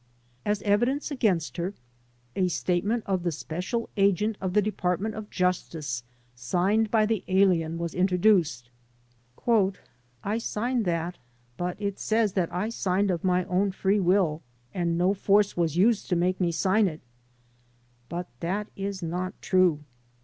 As evidence against her a statement of the Special Agent of the Department of Justice signed by the alien was introduced. "I signed that, but it says that I signed of my own free will and no force was used to make me sign it, but that is not true.